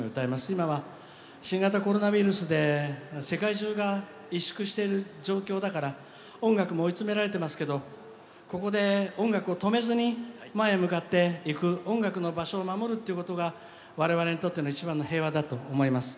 今は新型コロナウイルスで世界中が萎縮してる状況だから音楽も追い詰められていますけどここで音楽を止めずに前へ向かっていく音楽の場所を守るということが我々にとっての一番の平和だと思います。